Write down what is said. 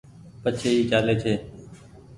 پڇي اي چآلي ڇي۔